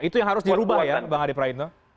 itu yang harus dirubah ya bang adi praitno